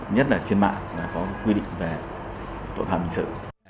nhất là trên mạng là có quy định về tội phạm hình sự